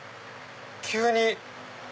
急に。